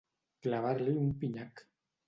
Clavar-li un pinyac.